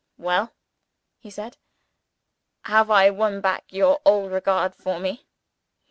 "Well?" he said. "Have I won back your old regard for me?